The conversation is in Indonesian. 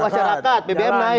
aku masyarakat bbm naik